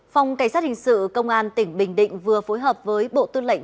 phòng cảnh sát hình sự công an tỉnh bình định vừa phối hợp với bộ tư lệnh